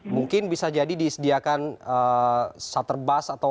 mungkin bisa jadi disediakan shutter bus atau